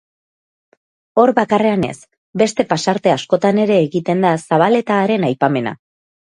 Hor bakarrean ez, beste pasarte askotan ere egiten da Zabaleta haren aipamena.